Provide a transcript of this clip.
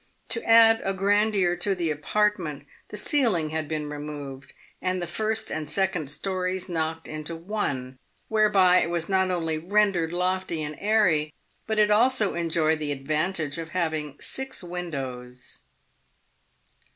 To add a grandeur to the apartment the ceiling had been removed and the first and second stories knocked Q 226 PAYED WITH GOLD. into one, whereby it was not only rendered lofty and airy, but it also enjoyed the advantage of having six windows.